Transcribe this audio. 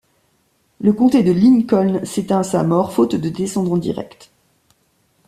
Le comté de Lincoln s'éteint à sa mort, faute de descendants directs.